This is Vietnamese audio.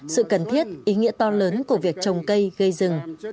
sự cần thiết ý nghĩa to lớn của việc trồng cây gây rừng